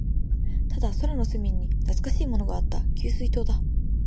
ただ、空の隅に懐かしいものがあった。給水塔だ。